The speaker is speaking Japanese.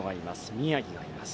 宮城がいます。